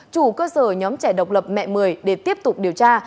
chủ cơ sở nhóm trẻ độc lập mẹ mười để tiếp tục điều tra